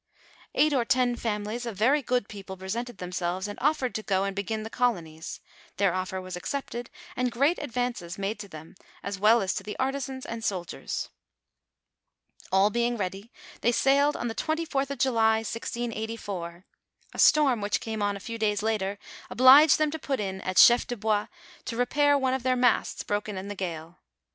Eight or ten families of very good people presented themselves, and ofltered to go and begin the colonies. Their offer was ac cepted, and great advances made to them as well as to the artisans and soldiers. All being ready, they sailed on the 24:th of July, 1684. A storm which came on a few days later, obliged them to put in at Chef de Bois to repair one of their masts broken in the gale.